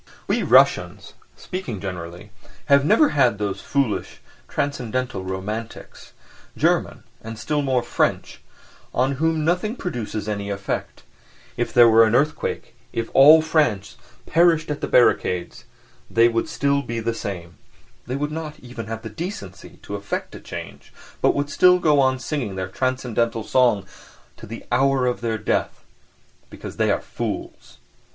We Russians, speaking generally, have never had those foolish transcendental "romantics"—German, and still more French—on whom nothing produces any effect; if there were an earthquake, if all France perished at the barricades, they would still be the same, they would not even have the decency to affect a change, but would still go on singing their transcendental songs to the hour of their death, because they are fools.